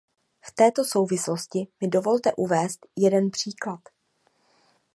V této souvislosti mi dovolte uvést jeden příklad.